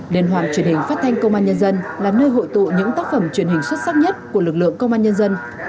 đền hoàn truyền hình phát thanh công an nhân dân là nơi hội tụ những tác phẩm truyền hình xuất sắc nhất của lực lượng công an nhân dân